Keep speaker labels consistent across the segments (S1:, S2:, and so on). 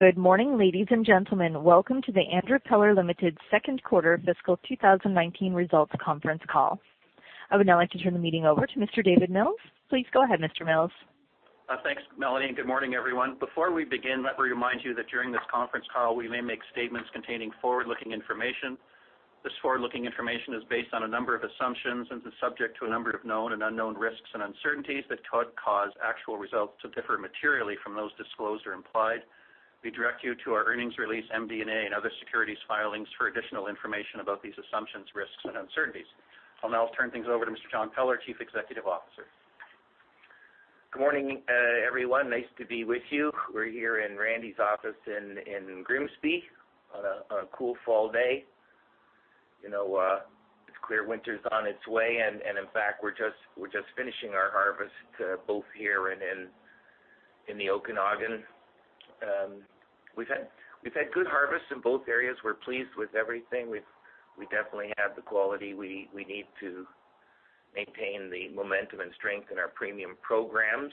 S1: Good morning, ladies and gentlemen. Welcome to the Andrew Peller Limited second quarter fiscal 2019 results conference call. I would now like to turn the meeting over to Mr. David Mills. Please go ahead, Mr. Mills.
S2: Thanks, Melanie. Good morning, everyone. Before we begin, let me remind you that during this conference call, we may make statements containing forward-looking information. This forward-looking information is based on a number of assumptions and is subject to a number of known and unknown risks and uncertainties that could cause actual results to differ materially from those disclosed or implied. We direct you to our earnings release, MD&A, and other securities filings for additional information about these assumptions, risks, and uncertainties. I'll now turn things over to Mr. John Peller, Chief Executive Officer.
S3: Good morning, everyone. Nice to be with you. We're here in Randy's office in Grimsby on a cool fall day. It's clear winter's on its way, and in fact, we're just finishing our harvest both here and in the Okanagan. We've had good harvests in both areas. We're pleased with everything. We definitely have the quality we need to maintain the momentum and strength in our premium programs.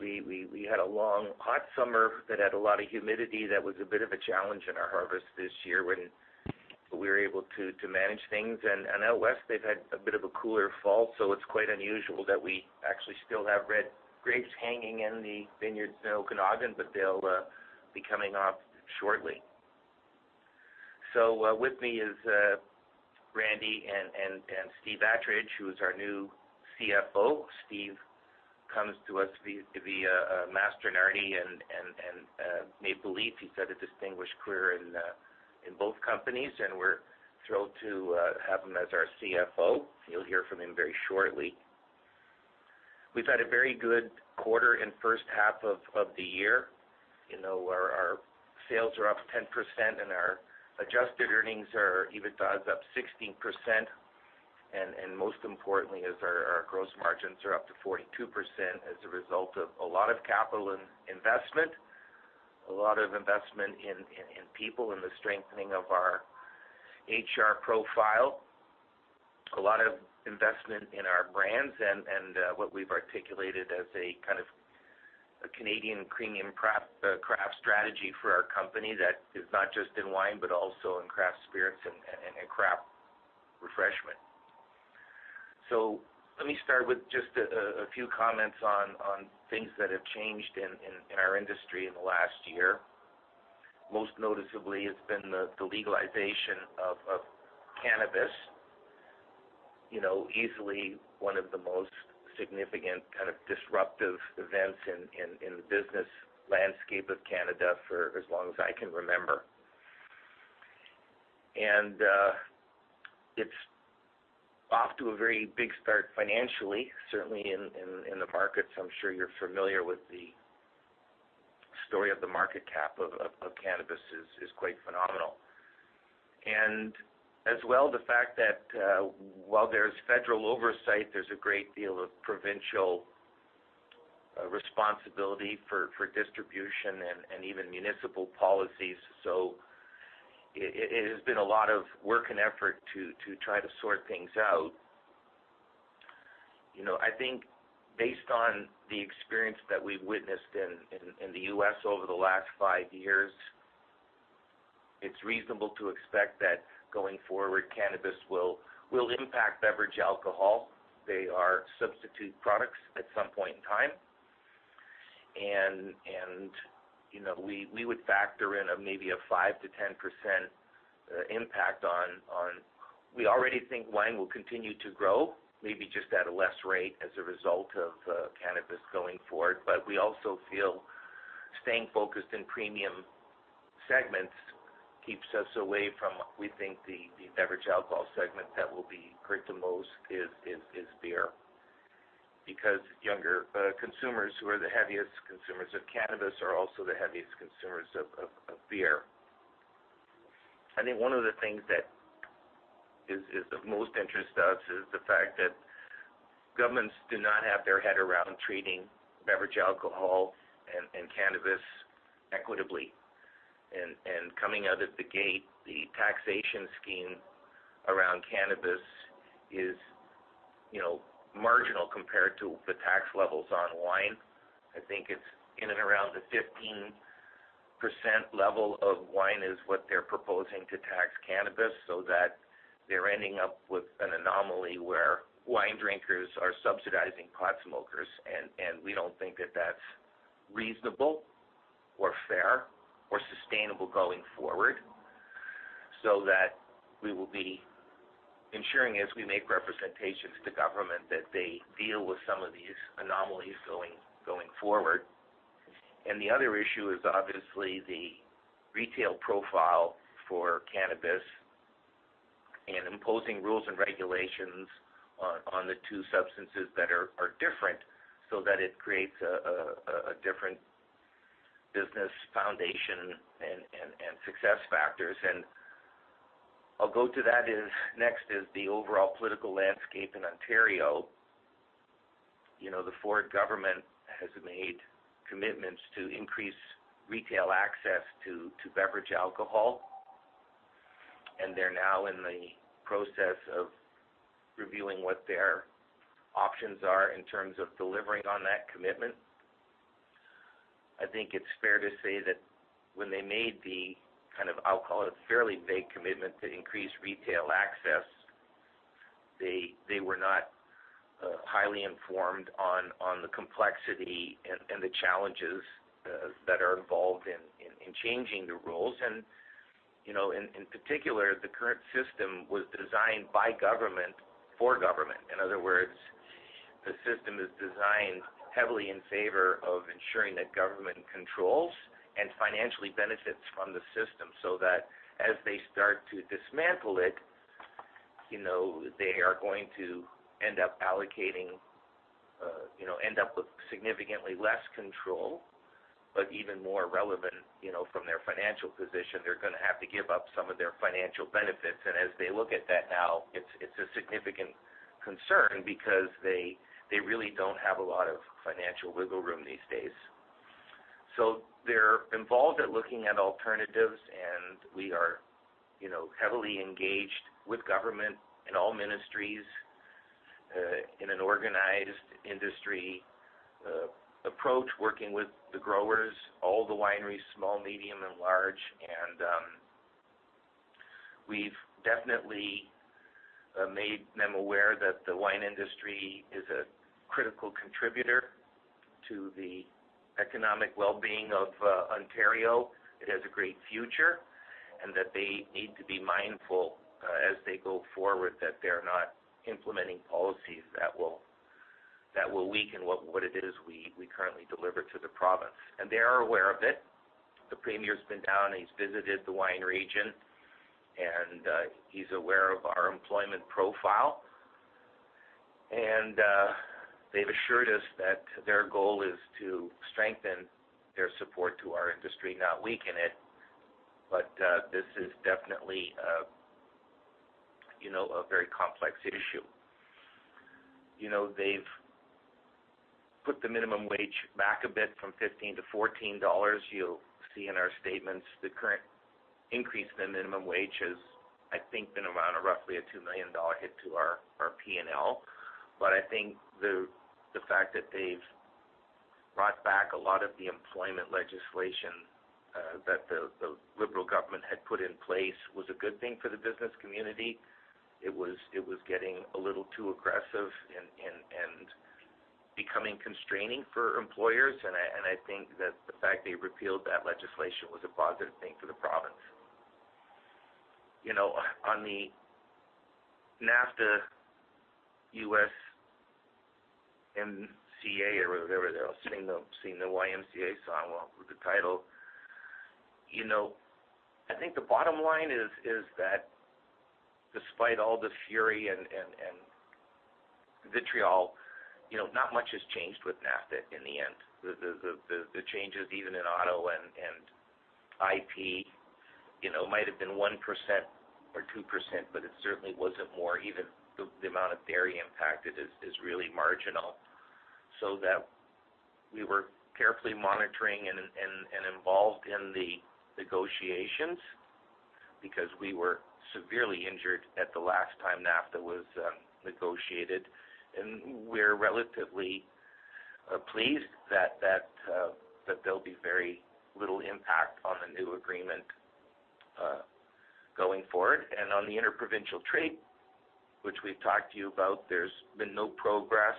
S3: We had a long, hot summer that had a lot of humidity. That was a bit of a challenge in our harvest this year, but we were able to manage things. Out west, they've had a bit of a cooler fall. It's quite unusual that we actually still have red grapes hanging in the vineyards in Okanagan, but they'll be coming off shortly. With me is Randy and Steve Attridge, who is our new CFO. Steve comes to us via Mastronardi and Maple Leaf. He's had a distinguished career in both companies. We're thrilled to have him as our CFO. You'll hear from him very shortly. We've had a very good quarter and first half of the year, where our sales are up 10% and our adjusted earnings or EBITDA is up 16%. Most importantly is our gross margins are up to 42% as a result of a lot of capital investment, a lot of investment in people, in the strengthening of our HR profile, a lot of investment in our brands and what we've articulated as a kind of a Canadian premium craft strategy for our company that is not just in wine, but also in craft spirits and craft refreshment. Let me start with just a few comments on things that have changed in our industry in the last year. Most noticeably, it's been the legalization of cannabis. Easily one of the most significant kind of disruptive events in the business landscape of Canada for as long as I can remember. It's off to a very big start financially, certainly in the markets. I'm sure you're familiar with the story of the market cap of cannabis is quite phenomenal. As well, the fact that while there's federal oversight, there's a great deal of provincial responsibility for distribution and even municipal policies. It has been a lot of work and effort to try to sort things out. I think based on the experience that we've witnessed in the U.S. over the last five years, it's reasonable to expect that going forward, cannabis will impact beverage alcohol. They are substitute products at some point in time. We would factor in maybe a 5%-10% impact on We already think wine will continue to grow, maybe just at a less rate as a result of cannabis going forward. We also feel staying focused in premium segments keeps us away from what we think the beverage alcohol segment that will be hurt the most is beer, because younger consumers who are the heaviest consumers of cannabis are also the heaviest consumers of beer. I think one of the things that is of most interest to us is the fact that governments do not have their head around treating beverage alcohol and cannabis equitably. Coming out of the gate, the taxation scheme around cannabis is marginal compared to the tax levels on wine. I think it's in and around the 15% level of wine is what they're proposing to tax cannabis so that they're ending up with an anomaly where wine drinkers are subsidizing pot smokers. We don't think that that's reasonable or fair or sustainable going forward, so that we will be ensuring as we make representations to government that they deal with some of these anomalies going forward. The other issue is obviously the retail profile for cannabis and imposing rules and regulations on the two substances that are different so that it creates a different business foundation and success factors. I'll go to that as next is the overall political landscape in Ontario. The Ford government has made commitments to increase retail access to beverage alcohol. They're now in the process of reviewing what their options are in terms of delivering on that commitment. I think it's fair to say that when they made the, I'll call it, a fairly big commitment to increase retail access, they were not highly informed on the complexity and the challenges that are involved in changing the rules. In particular, the current system was designed by government for government. In other words, the system is designed heavily in favor of ensuring that government controls and financially benefits from the system, so that as they start to dismantle it, they are going to end up with significantly less control. Even more relevant from their financial position, they're going to have to give up some of their financial benefits. As they look at that now, it's a significant concern because they really don't have a lot of financial wiggle room these days. They're involved in looking at alternatives, and we are heavily engaged with government and all ministries, in an organized industry approach, working with the growers, all the wineries, small, medium, and large. We've definitely made them aware that the wine industry is a critical contributor to the economic well-being of Ontario, it has a great future, and that they need to be mindful as they go forward that they're not implementing policies that will weaken what it is we currently deliver to the province. They are aware of it. The premier's been down, and he's visited the wine region, and he's aware of our employment profile. They've assured us that their goal is to strengthen their support to our industry, not weaken it. But this is definitely a very complex issue. They've put the minimum wage back a bit from 15 to 14 dollars. You'll see in our statements the current increase in the minimum wage has, I think, been around roughly a 2 million dollar hit to our P&L. But I think the fact that they've brought back a lot of the employment legislation that the Liberal government had put in place was a good thing for the business community. It was getting a little too aggressive and becoming constraining for employers, and I think that the fact they repealed that legislation was a positive thing for the province. On the NAFTA, USMCA or whatever they're singing, the YMCA song, well, with the title. I think the bottom line is that despite all the fury and vitriol, not much has changed with NAFTA in the end. The changes even in auto and IP might have been 1% or 2%, but it certainly wasn't more. Even the amount of dairy impact is really marginal. That we were carefully monitoring and involved in the negotiations because we were severely injured at the last time NAFTA was negotiated, and we're relatively pleased that there'll be very little impact on the new agreement going forward. On the inter-provincial trade, which we've talked to you about, there's been no progress.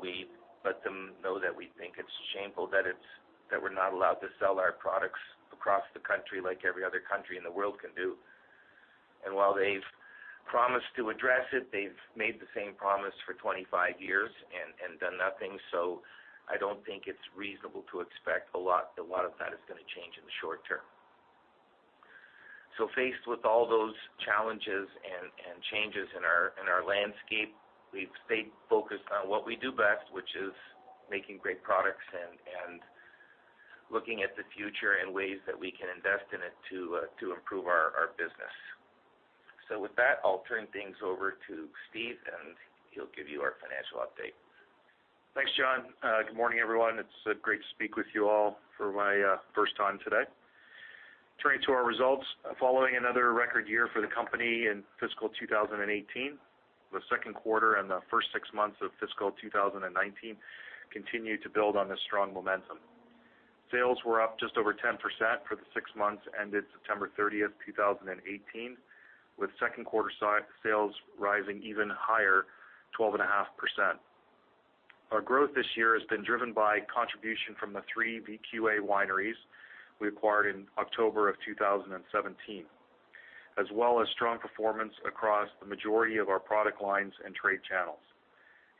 S3: We let them know that we think it's shameful that we're not allowed to sell our products across the country like every other country in the world can do. While they've promised to address it, they've made the same promise for 25 years and done nothing. I don't think it's reasonable to expect a lot of that is going to change in the short term. Faced with all those challenges and changes in our landscape, we've stayed focused on what we do best, which is making great products and looking at the future and ways that we can invest in it to improve our business. With that, I'll turn things over to Steve, and he'll give you our financial update.
S4: Thanks, John. Good morning, everyone. It's great to speak with you all for my first time today. Turning to our results, following another record year for the company in fiscal 2018, the second quarter and the first six months of fiscal 2019 continued to build on this strong momentum. Sales were up just over 10% for the six months ended September 30th, 2018, with second quarter sales rising even higher, 12.5%. Our growth this year has been driven by contribution from the three VQA wineries we acquired in October of 2017, as well as strong performance across the majority of our product lines and trade channels.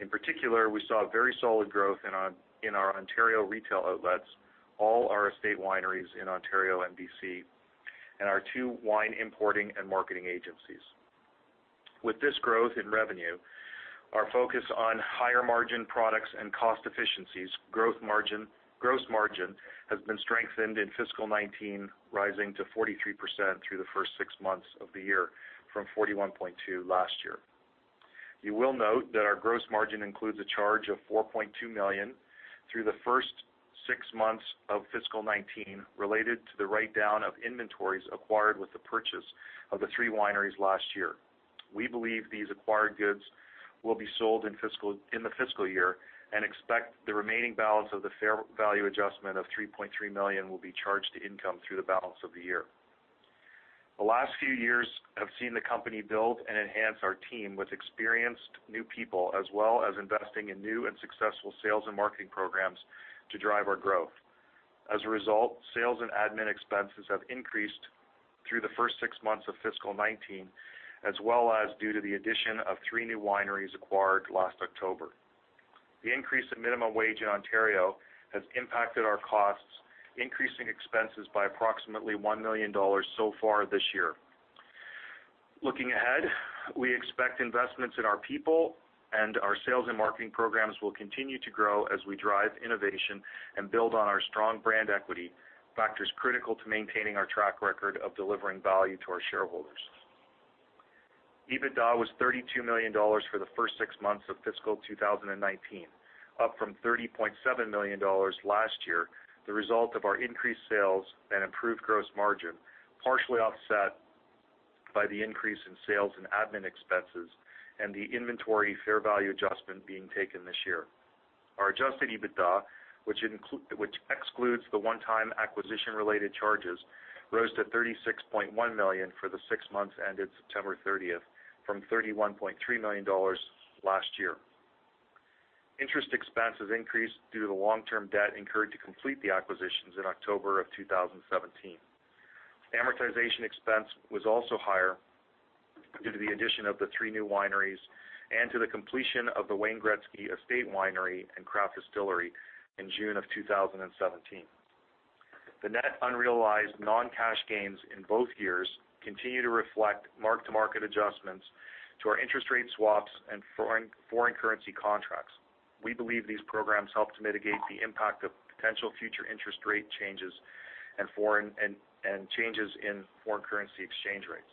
S4: In particular, we saw very solid growth in our Ontario retail outlets, all our estate wineries in Ontario and BC, and our two wine importing and marketing agencies. With this growth in revenue, our focus on higher margin products and cost efficiencies, gross margin has been strengthened in fiscal 2019, rising to 43% through the first six months of the year from 41.2% last year. You will note that our gross margin includes a charge of 4.2 million through the first six months of fiscal 2019, related to the write-down of inventories acquired with the purchase of the three wineries last year. We believe these acquired goods will be sold in the fiscal year and expect the remaining balance of the fair value adjustment of 3.3 million will be charged to income through the balance of the year. The last few years have seen the company build and enhance our team with experienced new people, as well as investing in new and successful sales and marketing programs to drive our growth. As a result, sales and admin expenses have increased through the first six months of fiscal 2019, as well as due to the addition of three new wineries acquired last October. The increase in minimum wage in Ontario has impacted our costs, increasing expenses by approximately 1 million dollars so far this year. Looking ahead, we expect investments in our people and our sales and marketing programs will continue to grow as we drive innovation and build on our strong brand equity, factors critical to maintaining our track record of delivering value to our shareholders. EBITDA was 32 million dollars for the first six months of fiscal 2019, up from 30.7 million dollars last year, the result of our increased sales and improved gross margin, partially offset by the increase in sales and admin expenses and the inventory fair value adjustment being taken this year. Our adjusted EBITDA, which excludes the one-time acquisition-related charges, rose to 36.1 million for the six months ended September 30th, from 31.3 million dollars last year. Interest expenses increased due to the long-term debt incurred to complete the acquisitions in October of 2017. Amortization expense was also higher due to the addition of the three new wineries and to the completion of the Wayne Gretzky Estate Winery and Craft Distillery in June of 2017. The net unrealized non-cash gains in both years continue to reflect mark-to-market adjustments to our interest rate swaps and foreign currency contracts. We believe these programs help to mitigate the impact of potential future interest rate changes and changes in foreign currency exchange rates.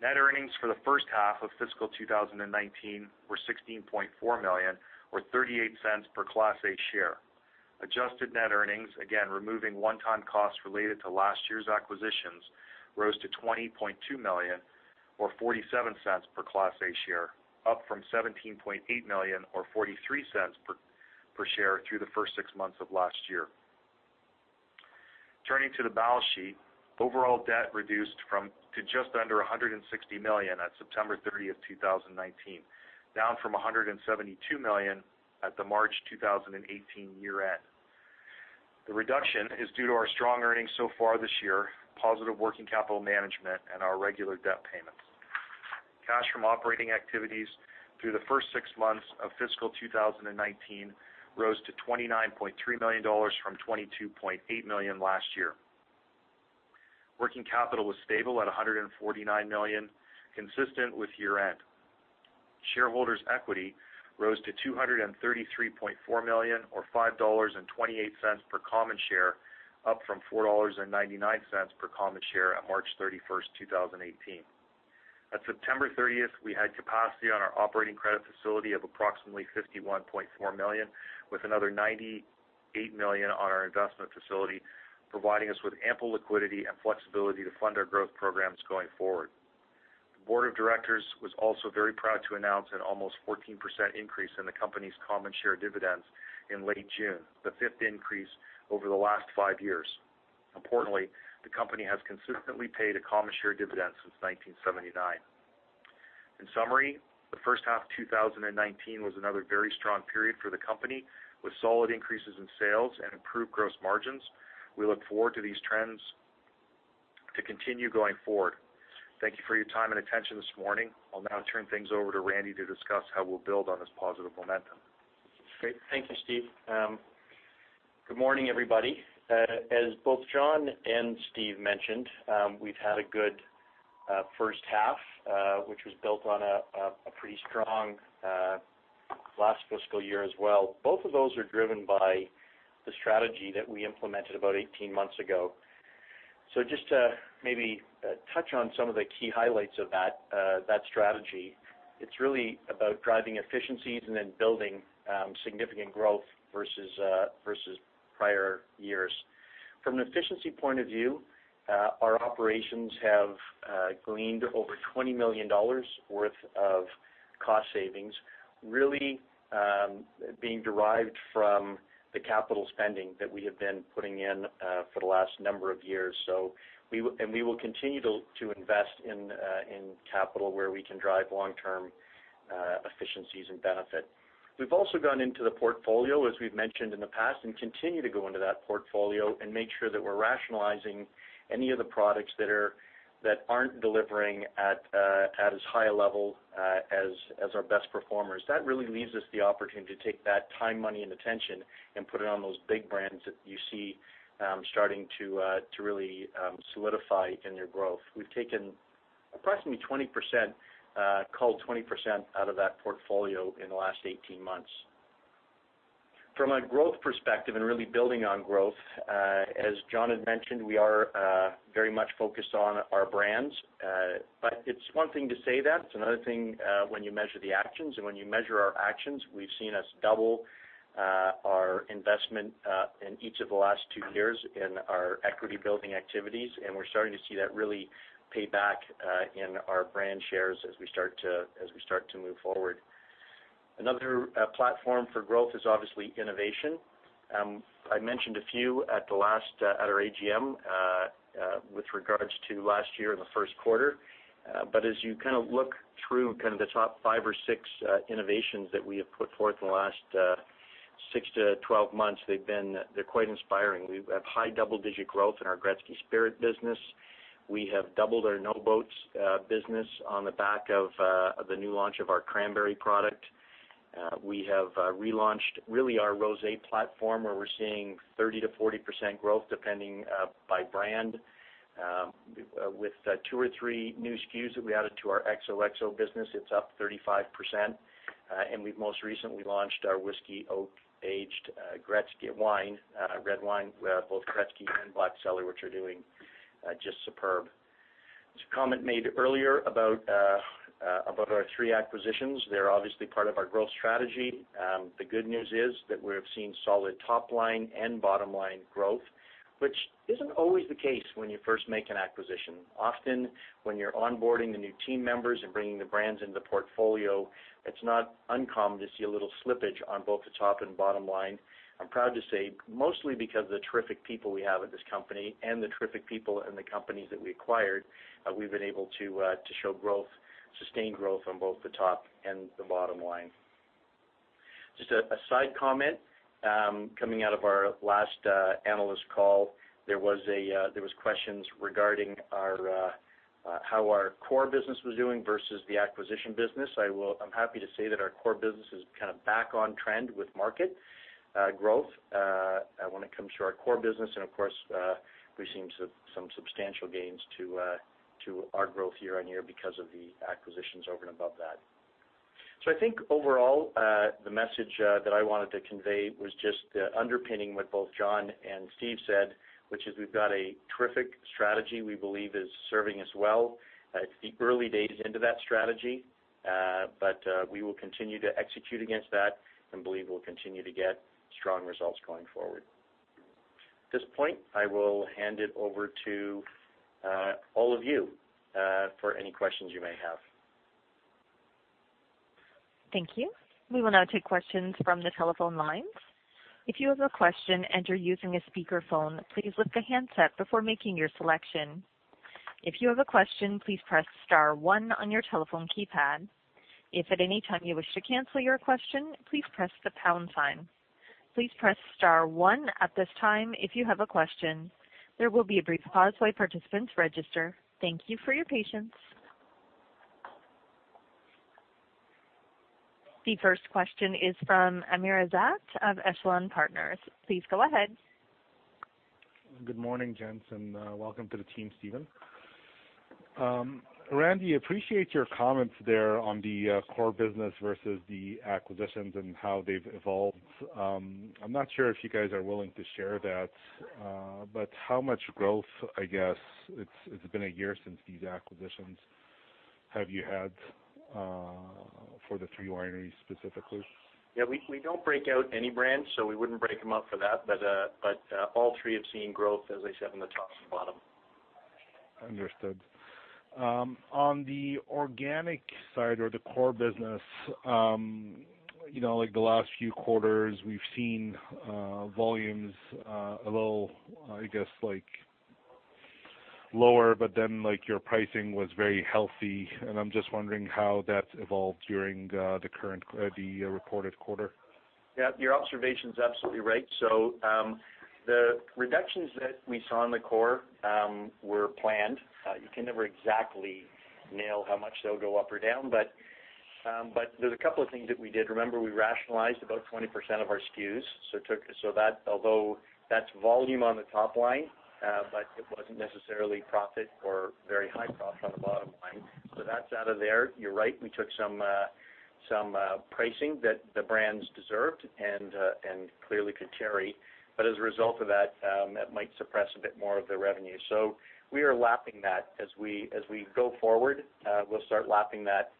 S4: Net earnings for the first half of fiscal 2019 were 16.4 million, or 0.38 per Class A share. Adjusted net earnings, again, removing one-time costs related to last year's acquisitions, rose to 20.2 million or 0.47 per Class A share, up from 17.8 million or 0.43 per share through the first six months of last year. Turning to the balance sheet, overall debt reduced to just under 160 million on September 30, 2019, down from 172 million at the March 2018 year-end. The reduction is due to our strong earnings so far this year, positive working capital management, and our regular debt payments. Cash from operating activities through the first six months of fiscal 2019 rose to 29.3 million dollars from 22.8 million last year. Working capital was stable at 149 million, consistent with year-end. Shareholders' equity rose to 233.4 million or 5.28 dollars per common share, up from 4.99 dollars per common share at March 31, 2018. At September 30, we had capacity on our operating credit facility of approximately 51.4 million, with another 98 million on our investment facility, providing us with ample liquidity and flexibility to fund our growth programs going forward. The board of directors was also very proud to announce an almost 14% increase in the company's common share dividends in late June, the fifth increase over the last five years. Importantly, the company has consistently paid a common share dividend since 1979. In summary, the first half of 2019 was another very strong period for the company, with solid increases in sales and improved gross margins. We look forward to these trends to continue going forward. Thank you for your time and attention this morning. I will now turn things over to Randy to discuss how we will build on this positive momentum.
S5: Great. Thank you, Steve. Good morning, everybody. As both John and Steve mentioned, we have had a good first half, which was built on a pretty strong last fiscal year as well. Both of those are driven by the strategy that we implemented about 18 months ago. Just to maybe touch on some of the key highlights of that strategy, it is really about driving efficiencies and then building significant growth versus prior years. From an efficiency point of view, our operations have gleaned over 20 million dollars worth of cost savings, really being derived from the capital spending that we have been putting in for the last number of years. We will continue to invest in capital where we can drive long-term efficiencies and benefit. We have also gone into the portfolio, as we have mentioned in the past, and continue to go into that portfolio and make sure that we are rationalizing any of the products that are not delivering at as high a level as our best performers. That really leaves us the opportunity to take that time, money, and attention and put it on those big brands that you see starting to really solidify in their growth. We have taken approximately 20%, culled 20% out of that portfolio in the last 18 months. From a growth perspective and really building on growth, as John had mentioned, we are very much focused on our brands. It is one thing to say that, it is another thing when you measure the actions. When you measure our actions, we've seen us double our investment in each of the last 2 years in our equity building activities, and we're starting to see that really pay back in our brand shares as we start to move forward. Another platform for growth is obviously innovation. I mentioned a few at our AGM with regards to last year in the first quarter. As you look through kind of the top 5 or 6 innovations that we have put forth in the last 6-12 months, they're quite inspiring. We have high double-digit growth in our Gretzky Spirit business. We have doubled our No Boats business on the back of the new launch of our cranberry product. We have relaunched really our Rosé platform, where we're seeing 30%-40% growth, depending by brand. With two or three new SKUs that we added to our XOXO business, it's up 35%. We've most recently launched our Whisky Oak Aged Gretzky wine, red wine, both Gretzky and Black Cellar, which are doing just superb. There was a comment made earlier about our three acquisitions. They're obviously part of our growth strategy. The good news is that we have seen solid top-line and bottom-line growth, which isn't always the case when you first make an acquisition. Often, when you're onboarding the new team members and bringing the brands into the portfolio, it's not uncommon to see a little slippage on both the top and bottom line. I'm proud to say, mostly because of the terrific people we have at this company and the terrific people in the companies that we acquired, we've been able to show sustained growth on both the top and the bottom line. Just a side comment, coming out of our last analyst call, there was questions regarding how our core business was doing versus the acquisition business. I'm happy to say that our core business is kind of back on trend with market growth when it comes to our core business, and of course, we've seen some substantial gains to our growth year-over-year because of the acquisitions over and above that. I think overall, the message that I wanted to convey was just underpinning what both John and Steve said, which is we've got a terrific strategy we believe is serving us well. It's the early days into that strategy, but we will continue to execute against that and believe we'll continue to get strong results going forward. At this point, I will hand it over to all of you for any questions you may have.
S1: Thank you. We will now take questions from the telephone lines. If you have a question and you're using a speakerphone, please lift the handset before making your selection. If you have a question, please press star one on your telephone keypad. If at any time you wish to cancel your question, please press the pound sign. Please press star one at this time if you have a question. There will be a brief pause while participants register. Thank you for your patience. The first question is from Amr Ezzat of Echelon Wealth Partners. Please go ahead.
S6: Good morning, gents, and welcome to the team, Steve. Randy, appreciate your comments there on the core business versus the acquisitions and how they've evolved. I'm not sure if you guys are willing to share that, but how much growth, I guess it's been a year since these acquisitions, have you had for the three wineries specifically?
S5: Yeah, we don't break out any brands, so we wouldn't break them up for that. All three have seen growth, as I said, on the top and bottom.
S6: Understood. On the organic side or the core business, the last few quarters we've seen volumes a little, I guess lower, but then your pricing was very healthy, and I'm just wondering how that's evolved during the reported quarter.
S5: Yeah, your observation's absolutely right. The reductions that we saw in the core were planned. You can never exactly nail how much they'll go up or down, but there's a couple of things that we did. Remember, we rationalized about 20% of our SKUs. Although that's volume on the top line, it wasn't necessarily profit or very high profit on the bottom line. That's out of there. You're right, we took some pricing that the brands deserved and clearly could carry, but as a result of that might suppress a bit more of the revenue. We are lapping that as we go forward. We'll start lapping that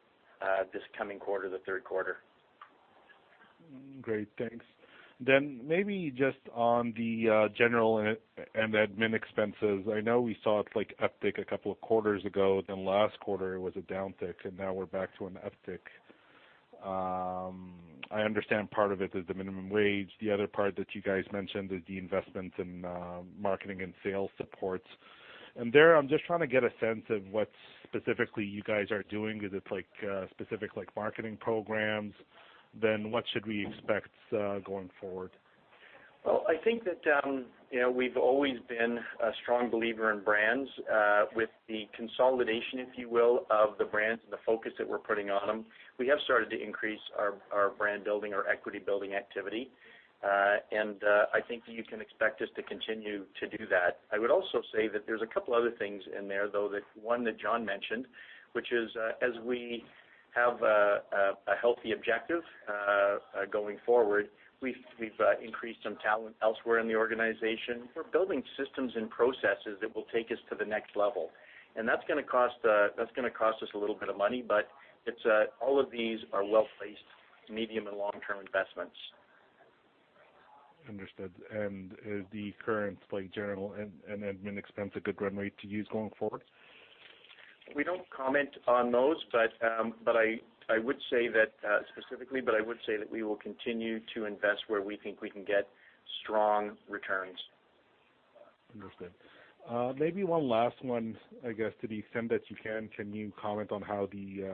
S5: this coming quarter, the third quarter.
S6: Great. Thanks. Maybe just on the general and admin expenses. I know we saw it uptick a couple of quarters ago, then last quarter it was a downtick, and now we're back to an uptick. I understand part of it is the minimum wage. The other part that you guys mentioned is the investment in marketing and sales supports. There, I'm just trying to get a sense of what specifically you guys are doing. Is it specific marketing programs? What should we expect going forward?
S5: Well, I think that we've always been a strong believer in brands. With the consolidation, if you will, of the brands and the focus that we're putting on them, we have started to increase our brand building, our equity building activity. I think you can expect us to continue to do that. I would also say that there's a couple other things in there, though. One that John mentioned, which is as we have a healthy objective going forward. We've increased some talent elsewhere in the organization. We're building systems and processes that will take us to the next level, and that's going to cost us a little bit of money, but all of these are well-placed medium and long-term investments.
S6: Understood. The current general and admin expense, a good run rate to use going forward?
S5: We don't comment on those specifically, I would say that we will continue to invest where we think we can get strong returns.
S6: Understood. Maybe one last one, I guess, to the extent that you can you comment on how the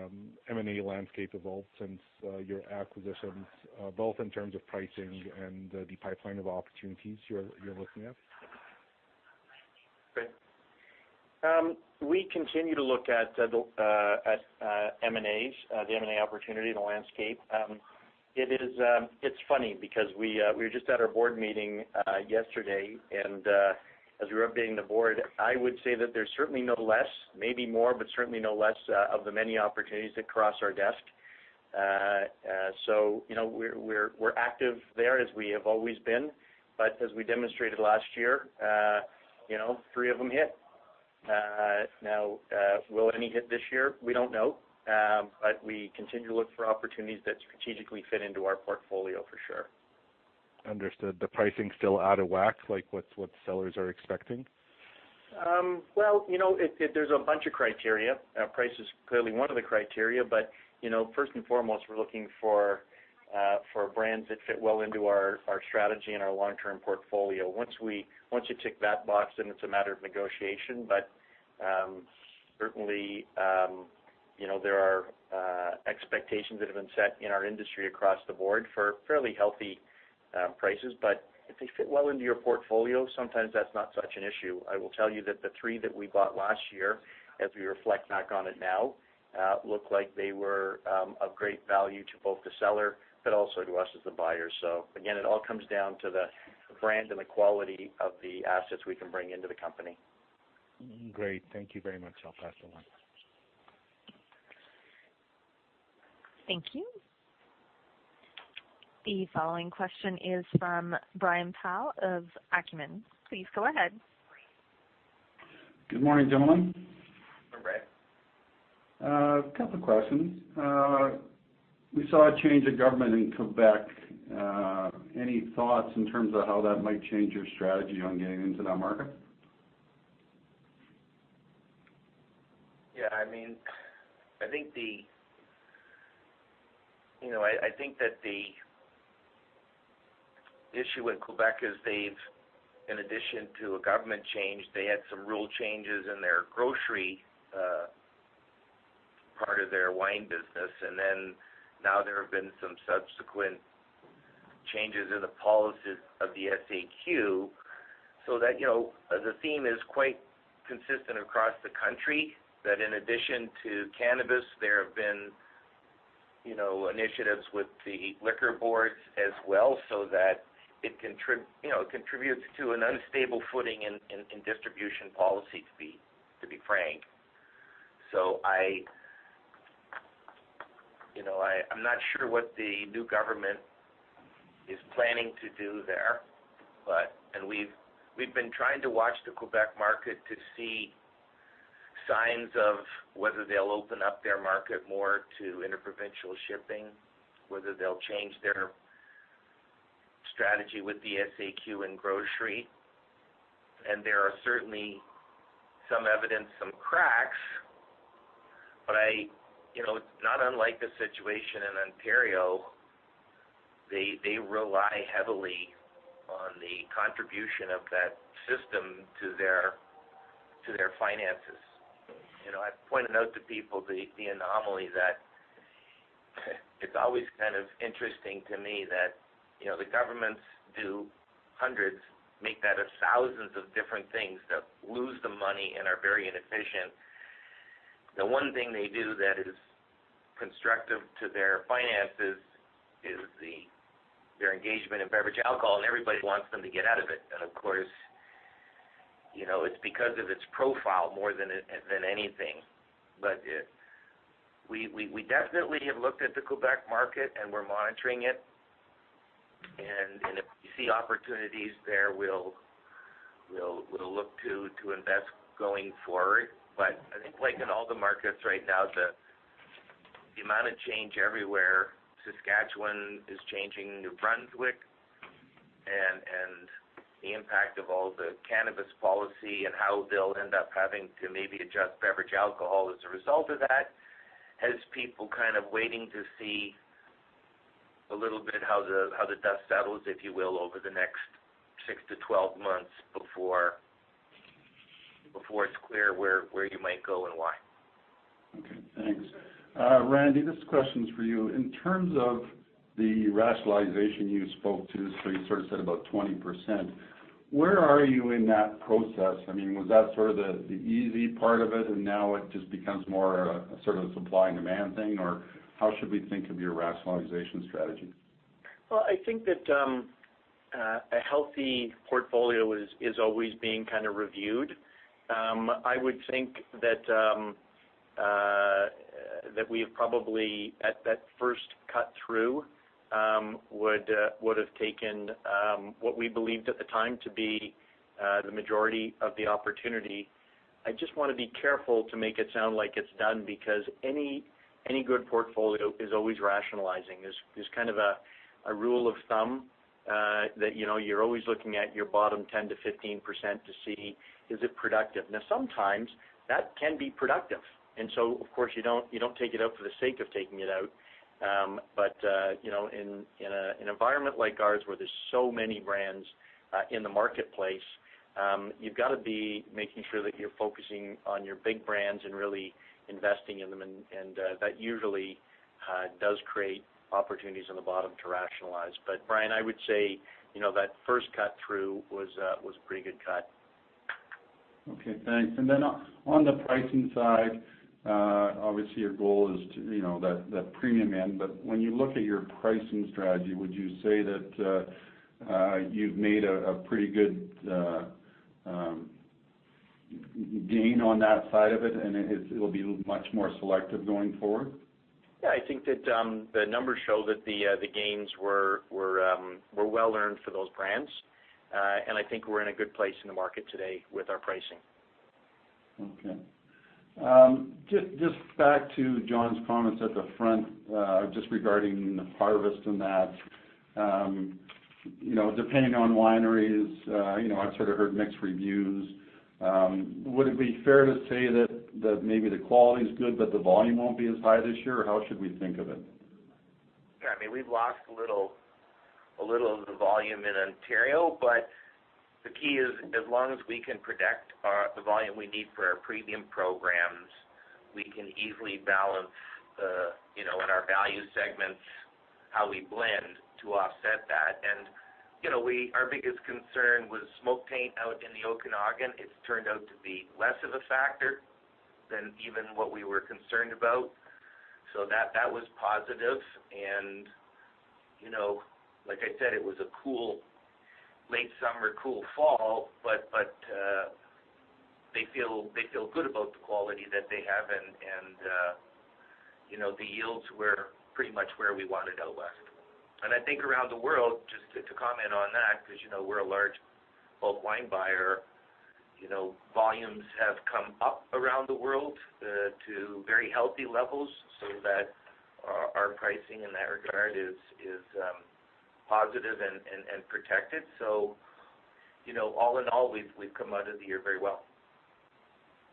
S6: M&A landscape evolved since your acquisitions, both in terms of pricing and the pipeline of opportunities you're looking at?
S5: Sure. We continue to look at M&As, the M&A opportunity and the landscape. It's funny because we were just at our board meeting yesterday. As we were updating the board, I would say that there's certainly no less, maybe more, but certainly no less of the many opportunities that cross our desk. We're active there, as we have always been. As we demonstrated last year, three of them hit. Now, will any hit this year? We don't know. We continue to look for opportunities that strategically fit into our portfolio, for sure.
S6: Understood. The pricing still out of whack, like what sellers are expecting?
S5: Well, there's a bunch of criteria. Price is clearly one of the criteria. First and foremost, we're looking for brands that fit well into our strategy and our long-term portfolio. Once you tick that box, it's a matter of negotiation. Certainly, there are expectations that have been set in our industry across the board for fairly healthy prices. If they fit well into your portfolio, sometimes that's not such an issue. I will tell you that the three that we bought last year, as we reflect back on it now, look like they were of great value to both the seller, but also to us as the buyer. Again, it all comes down to the brand and the quality of the assets we can bring into the company.
S6: Great. Thank you very much. I'll pass along.
S1: Thank you. The following question is from Brian Pow of Acumen. Please go ahead.
S7: Good morning, gentlemen.
S5: Hi, Brian.
S7: A couple of questions. We saw a change of government in Quebec. Any thoughts in terms of how that might change your strategy on getting into that market?
S5: Yeah, I think that the issue in Quebec is they've, in addition to a government change, they had some rule changes in their grocery part of their wine business. Now there have been some subsequent changes in the policies of the SAQ. The theme is quite consistent across the country, that in addition to cannabis, there have been initiatives with the liquor boards as well. It contributes to an unstable footing in distribution policy, to be frank. I'm not sure what the new government is planning to do there. We've been trying to watch the Quebec market to see signs of whether they'll open up their market more to inter-provincial shipping, whether they'll change their strategy with the SAQ and grocery. There are certainly some evidence, some cracks, but it's not unlike the situation in Ontario. They rely heavily on the contribution of that system to their finances. I point it out to people, the anomaly that it's always kind of interesting to me that the governments do hundreds, make that thousands, of different things that lose them money and are very inefficient. The one thing they do that is constructive to their finances is their engagement in beverage alcohol. Everybody wants them to get out of it. Of course, it's because of its profile more than anything. We definitely have looked at the Quebec market, and we're monitoring it, and if we see opportunities there, we'll look to invest going forward. I think like in all the markets right now, the amount of change everywhere, Saskatchewan is changing, New Brunswick, and the impact of all the cannabis policy and how they'll end up having to maybe adjust beverage alcohol as a result of that, has people kind of waiting to see a little bit how the dust settles, if you will, over the next six to 12 months before it's clear where you might go and why.
S7: Okay, thanks. Randy, this question's for you. In terms of the rationalization you spoke to, you sort of said about 20%, where are you in that process? Was that sort of the easy part of it, now it just becomes more a sort of a supply and demand thing? How should we think of your rationalization strategy?
S5: Well, I think that a healthy portfolio is always being reviewed. I would think that we have probably, at that first cut-through, would have taken what we believed at the time to be the majority of the opportunity. I just want to be careful to make it sound like it's done, because any good portfolio is always rationalizing. There's kind of a rule of thumb that you're always looking at your bottom 10%-15% to see, is it productive. Now, sometimes that can be productive, so of course you don't take it out for the sake of taking it out. In an environment like ours where there's so many brands in the marketplace, you've got to be making sure that you're focusing on your big brands and really investing in them, that usually does create opportunities on the bottom to rationalize. Brian, I would say that first cut-through was a pretty good cut.
S7: Okay, thanks. On the pricing side, obviously your goal is that premium end. When you look at your pricing strategy, would you say that you've made a pretty good gain on that side of it'll be much more selective going forward?
S5: Yeah, I think that the numbers show that the gains were well-earned for those brands. I think we're in a good place in the market today with our pricing.
S7: Okay. Just back to John's comments at the front, just regarding the harvest and that. Depending on wineries, I've sort of heard mixed reviews. Would it be fair to say that maybe the quality's good, but the volume won't be as high this year? How should we think of it?
S5: Yeah, we've lost a little of the volume in Ontario, the key is as long as we can protect the volume we need for our premium programs, we can easily balance in our value segments how we blend to offset that. Our biggest concern was smoke taint out in the Okanagan. It's turned out to be less of a factor than even what we were concerned about. That was positive, and like I said, it was a late summer, cool fall, they feel good about the quality that they have, and the yields were pretty much where we wanted out west. I think around the world, just to comment on that, because we're a large bulk wine buyer, volumes have come up around the world to very healthy levels so that our pricing in that regard is positive and protected. All in all, we've come out of the year very well.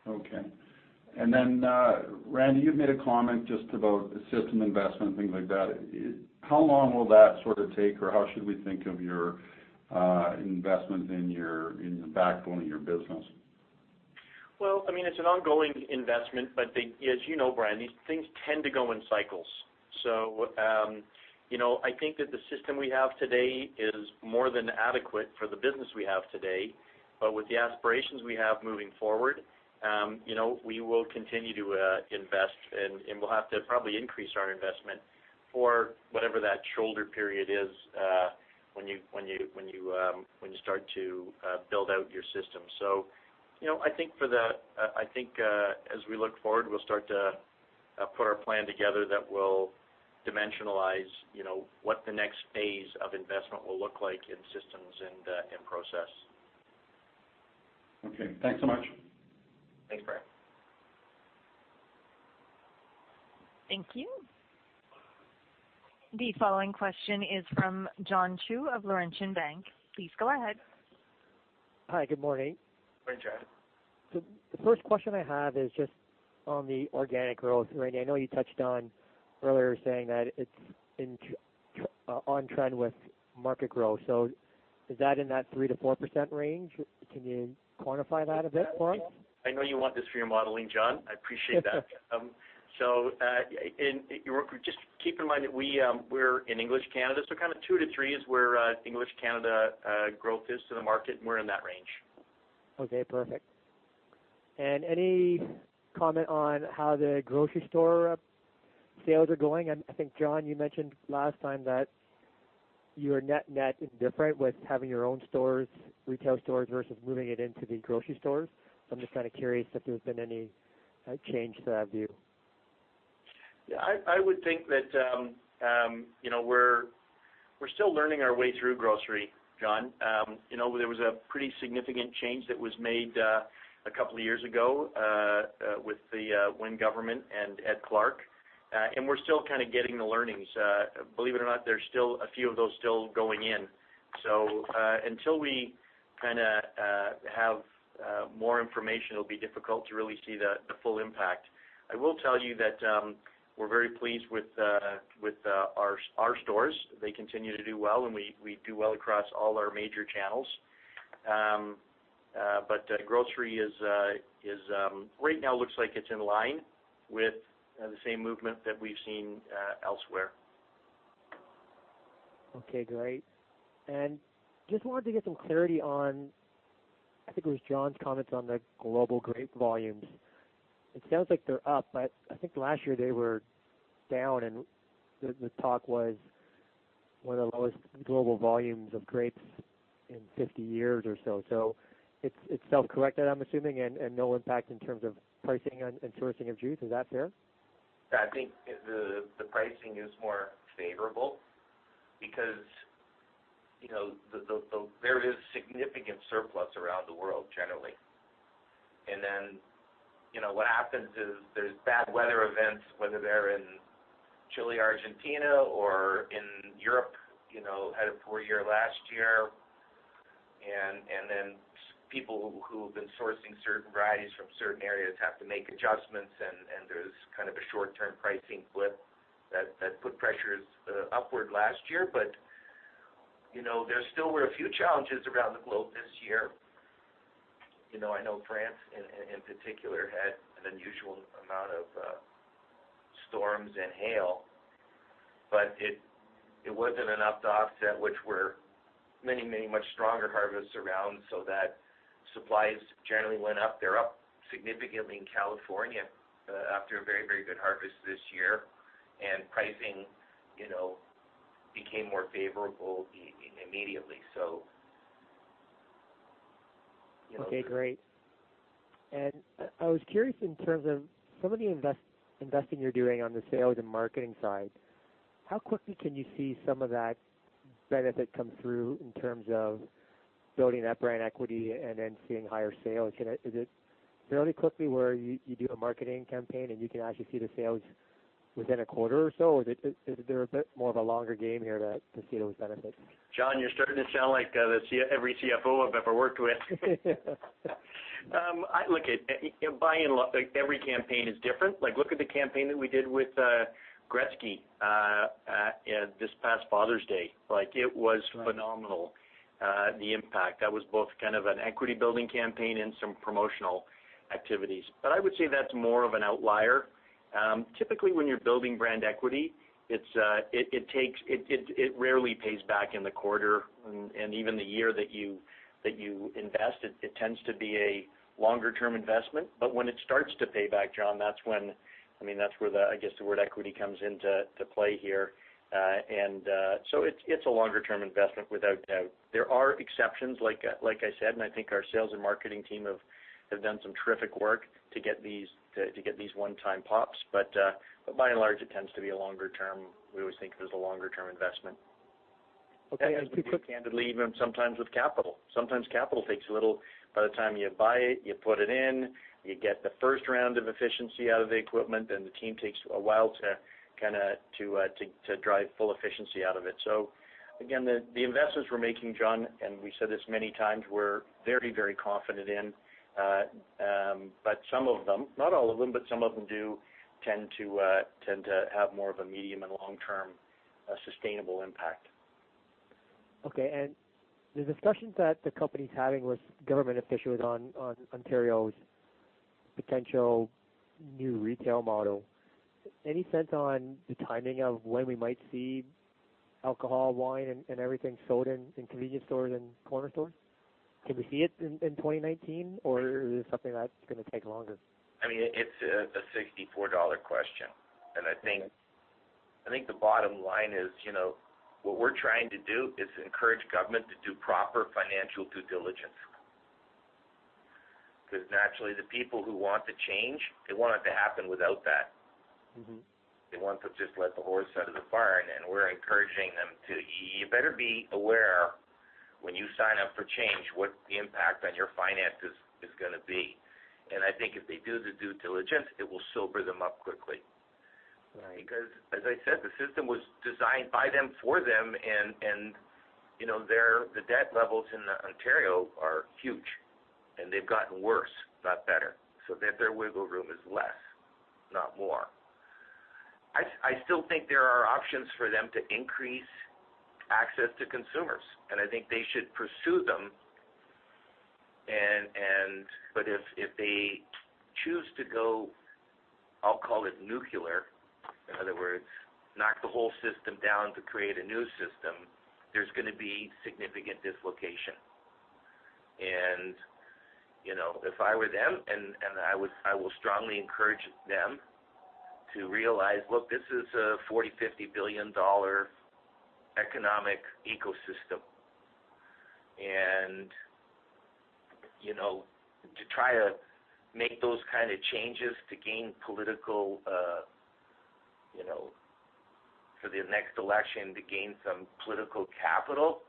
S7: Okay. Randy, you've made a comment just about system investment, things like that. How long will that take, or how should we think of your investment in the backbone of your business?
S5: Well, it's an ongoing investment, as you know, Brian, these things tend to go in cycles. I think that the system we have today is more than adequate for the business we have today. With the aspirations we have moving forward, we will continue to invest, and we'll have to probably increase our investment for whatever that shoulder period is when you start to build out your system. I think as we look forward, we'll start to put our plan together that will dimensionalize what the next phase of investment will look like in systems and process.
S7: Okay. Thanks so much.
S5: Thanks, Brian.
S1: Thank you. The following question is from John Chu of Laurentian Bank. Please go ahead.
S8: Hi, good morning.
S5: Morning, John.
S8: The first question I have is just on the organic growth. Randy, I know you touched on earlier saying that it's on trend with market growth. Is that in that 3%-4% range? Can you quantify that a bit for us?
S5: I know you want this for your modeling, John. I appreciate that. Just keep in mind that we're in English Canada, so kind of 2%-3% is where English Canada growth is to the market, and we're in that range.
S8: Okay, perfect. Any comment on how the grocery store sales are going? I think, John, you mentioned last time that your net is different with having your own retail stores versus moving it into the grocery stores. I'm just kind of curious if there's been any change to that view.
S5: Yeah, I would think that we're still learning our way through grocery, John. There was a pretty significant change that was made a couple of years ago with the Wynne government and Ed Clark. We're still kind of getting the learnings. Believe it or not, there's still a few of those still going in. Until we have more information, it'll be difficult to really see the full impact. I will tell you that we're very pleased with our stores. They continue to do well, and we do well across all our major channels. Grocery right now looks like it's in line with the same movement that we've seen elsewhere.
S8: Okay, great. Just wanted to get some clarity on I think it was John's comments on the global grape volumes. It sounds like they're up, but I think last year they were down, and the talk was one of the lowest global volumes of grapes in 50 years or so. It's self-corrected, I'm assuming, and no impact in terms of pricing and sourcing of juice. Is that fair?
S5: I think the pricing is more favorable because there is significant surplus around the world generally. What happens is there's bad weather events, whether they're in Chile, Argentina or in Europe, had a poor year last year, then people who've been sourcing certain varieties from certain areas have to make adjustments, there's kind of a short-term pricing blip that put pressures upward last year. There still were a few challenges around the globe this year. I know France in particular had an unusual amount of storms and hail, but it wasn't enough to offset, which were many much stronger harvests around, supplies generally went up. They're up significantly in California after a very, very good harvest this year. Pricing became more favorable immediately.
S8: Okay, great. I was curious in terms of some of the investing you're doing on the sales and marketing side, how quickly can you see some of that benefit come through in terms of building that brand equity then seeing higher sales? Is it fairly quickly where you do a marketing campaign, you can actually see the sales within a quarter or so? Is there a bit more of a longer game here to see those benefits?
S5: John, you're starting to sound like every CFO I've ever worked with. Look, every campaign is different. Look at the campaign that we did with Gretzky this past Father's Day. It was phenomenal, the impact. That was both kind of an equity building campaign and some promotional activities. I would say that's more of an outlier. Typically, when you're building brand equity, it rarely pays back in the quarter and even the year that you invest. It tends to be a longer-term investment. When it starts to pay back, John, that's where, I guess, the word equity comes into play here. It's a longer-term investment without doubt. There are exceptions, like I said, I think our sales and marketing team have done some terrific work to get these one-time pops. By and large, it tends to be a longer term. We always think of it as a longer-term investment.
S8: Okay.
S5: Candidly, even sometimes with capital. Sometimes capital takes a little, by the time you buy it, you put it in, you get the first round of efficiency out of the equipment, then the team takes a while to drive full efficiency out of it. Again, the investments we're making, John, and we've said this many times, we're very, very confident in. Some of them, not all of them, but some of them do tend to have more of a medium and long-term sustainable impact.
S8: Okay. The discussions that the company's having with government officials on Ontario's potential new retail model, any sense on the timing of when we might see alcohol, wine, and everything sold in convenience stores and corner stores? Can we see it in 2019, or is it something that's going to take longer?
S5: It's a $64 question. I think the bottom line is what we're trying to do is encourage government to do proper financial due diligence. Because naturally, the people who want the change, they want it to happen without that. They want to just let the horse out of the barn. We're encouraging them to, you better be aware when you sign up for change, what the impact on your finances is going to be. I think if they do the due diligence, it will sober them up quickly.
S8: Right.
S5: As I said, the system was designed by them, for them, the debt levels in Ontario are huge, and they've gotten worse, not better, their wiggle room is less, not more. I still think there are options for them to increase access to consumers, and I think they should pursue them. If they choose to go, I'll call it nuclear. In other words, knock the whole system down to create a new system, there's going to be significant dislocation. If I were them, and I will strongly encourage them to realize, look, this is a 40 billion-50 billion dollar economic ecosystem, and to try to make those kind of changes to gain political, for the next election, to gain some political capital,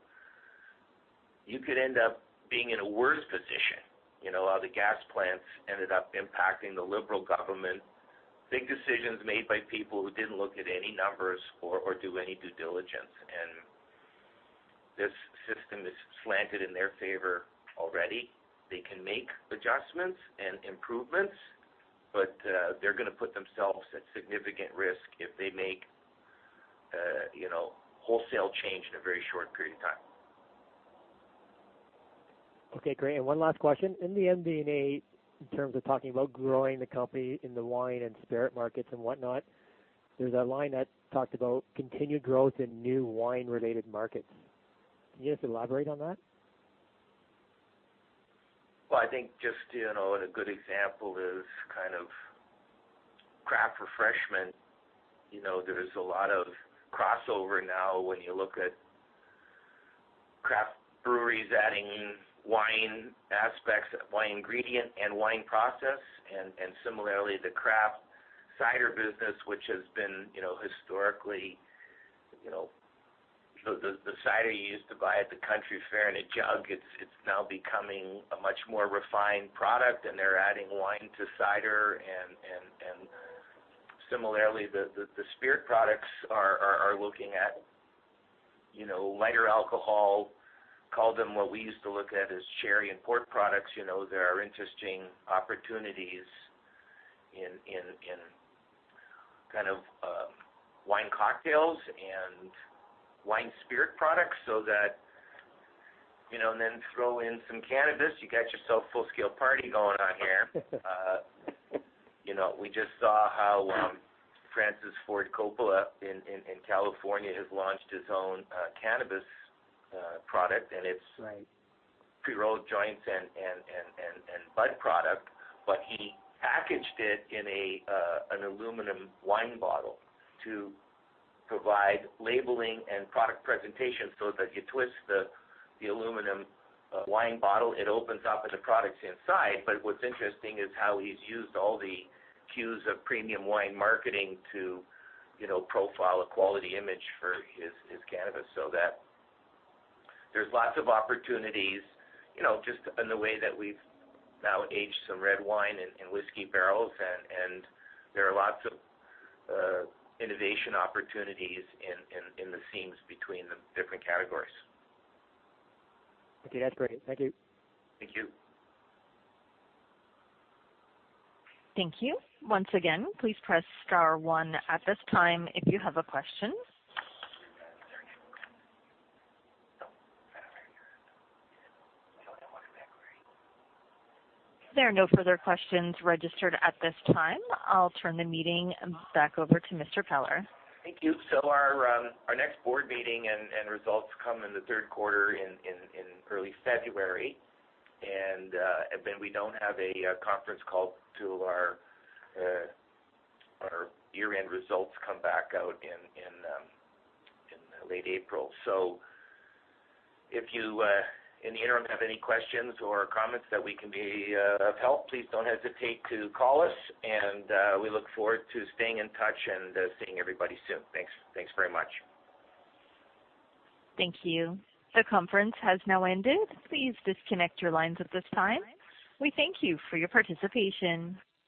S5: you could end up being in a worse position. How the gas plants ended up impacting the Liberal government. Big decisions made by people who didn't look at any numbers or do any due diligence, this system is slanted in their favor already. They can make adjustments and improvements, they're going to put themselves at significant risk if they make wholesale change in a very short period of time.
S8: Okay, great. One last question. In the M&A, in terms of talking about growing the company in the wine and spirit markets and whatnot. There's a line that talked about continued growth in new wine-related markets. Can you just elaborate on that?
S3: Well, I think just a good example is craft refreshment. There's a lot of crossover now when you look at craft breweries adding wine aspects, wine ingredient, and wine process, and similarly, the craft cider business, which has been historically, the cider you used to buy at the country fair in a jug, it's now becoming a much more refined product, and they're adding wine to cider, and similarly, the spirit products are looking at lighter alcohol, call them what we used to look at as sherry and port products. There are interesting opportunities in wine cocktails and wine spirit products so that, and then throw in some cannabis, you got yourself full-scale party going on here. We just saw how Francis Ford Coppola in California has launched his own cannabis product, and it's
S8: Right
S3: He packaged it in an aluminum wine bottle to provide labeling and product presentation so that you twist the aluminum wine bottle, it opens up, and the product's inside. What's interesting is how he's used all the cues of premium wine marketing to profile a quality image for his cannabis so that there's lots of opportunities, just in the way that we've now aged some red wine in whiskey barrels, and there are lots of innovation opportunities in the seams between the different categories.
S8: Okay. That's great. Thank you.
S3: Thank you.
S1: Thank you. Once again, please press star one at this time if you have a question. There are no further questions registered at this time. I'll turn the meeting back over to Mr. Peller.
S3: Thank you. Our next board meeting and results come in the third quarter in early February. We don't have a conference call till our year-end results come back out in late April. If you, in the interim, have any questions or comments that we can be of help, please don't hesitate to call us, and we look forward to staying in touch and seeing everybody soon. Thanks. Thanks very much.
S1: Thank you. The conference has now ended. Please disconnect your lines at this time. We thank you for your participation.